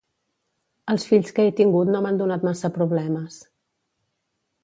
Els fills que he tingut no m'han donat massa problemes.